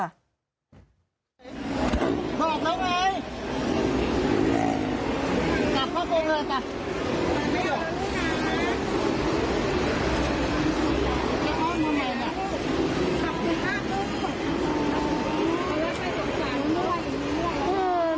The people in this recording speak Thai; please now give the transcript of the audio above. กลับเข้ากันแล้วกัน